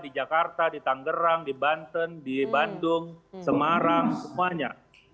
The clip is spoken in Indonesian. di jakarta di tanggerang di banten di bandung semarang semuanya